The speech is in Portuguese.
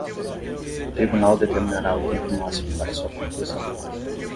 O tribunal determinará o tempo máximo para sua conclusão.